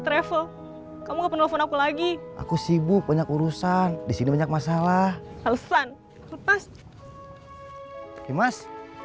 travel kamu nelfon aku lagi aku sibuk banyak urusan di sini banyak masalah alesan lepas